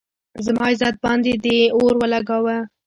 زما عزت باندې دې اور ولږاونه